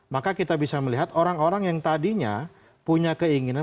maka kita bisa melihat orang orang yang tadinya punya keinginan